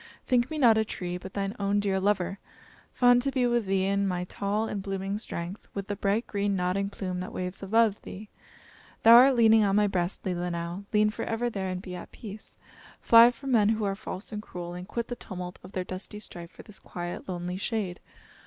think me not a tree; but thine own dear lover; fond to be with thee in my tall and blooming strength, with the bright green nodding plume that waves above thee. Thou art leaning on my breast, Leelinau; lean forever there and be at peace. Fly from men who are false and cruel, and quit the tumult of their dusty strife for this quiet, lonely shade.